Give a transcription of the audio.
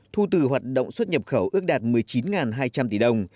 thu từ hoạt động xuất nhập khẩu ước đạt một mươi chín hai trăm linh tỷ đồng